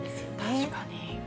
確かに。